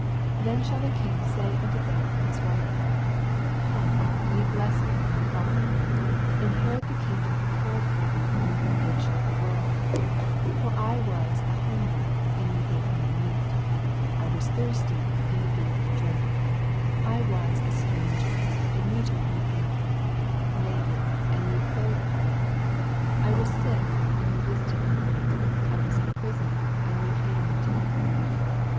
84 Then shall the king say unto them on his right hand, Come, ve blessed of my Father, inherit the kingdom prepared for you from the foundation of the world: 85 For I was an hungered, and ye gave me meat : 1 was thirsty, and ye gave me drink : 1 was a stranger, and ye took me in : 86 Naked, and ye clothed me : I was sick, and ye visited me : I was in prison, and ye came unto me.